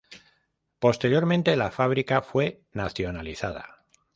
Posteriormente, la fábrica fue nacionalizada.